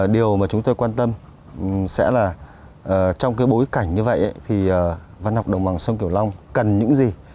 điều mà chúng tôi quan tâm sẽ là trong cái bối cảnh như vậy thì văn học đồng bằng sông kiểu long cần những gì